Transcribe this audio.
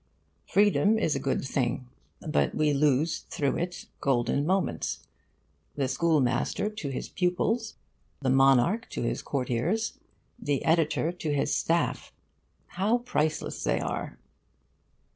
Freedom is a good thing, but we lose through it golden moments. The schoolmaster to his pupils, the monarch to his courtiers, the editor to his staff how priceless they are!